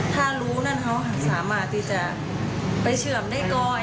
ถ้ารู้นั่นเขาสามารถที่จะไปเชื่อมได้ก่อน